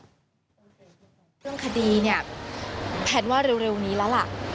เรื่องคดีเนี่ยแพทย์ว่าเร็วนี้แล้วล่ะ